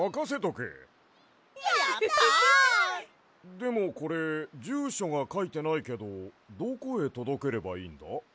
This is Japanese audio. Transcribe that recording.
でもこれじゅうしょがかいてないけどどこへとどければいいんだ？